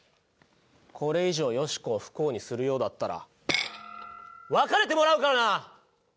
これ以上ヨシコを不幸にするようだったら別れてもらうからな！